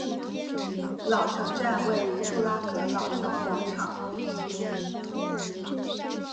老城站位于布拉格老城广场。